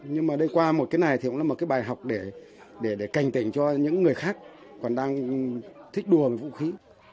nhưng mà đây qua một cái này thì cũng là một cái bài học để cảnh tỉnh cho những người khác còn đang thích đùa với vũ khí